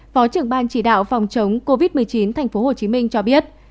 phó trưởng ban chỉ đạo phòng chống covid một mươi chín tp hcm cho biết